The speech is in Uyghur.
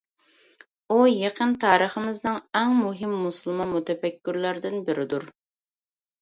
ئۇ يېقىن تارىخىمىزنىڭ ئەڭ مۇھىم مۇسۇلمان مۇتەپەككۇرلاردىن بىرىدۇر.